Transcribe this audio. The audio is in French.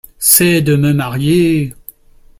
C’est de me marier…